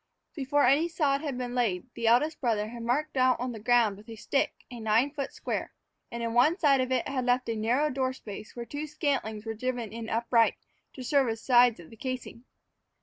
Before any sod had been laid, the eldest brother had marked out on the ground with a stick a nine foot square, and in one side of it had left a narrow door space where two scantlings were driven in upright to serve as sides of the casing.